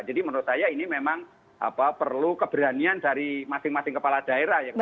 jadi menurut saya ini memang perlu keberanian dari masing masing kepala daerah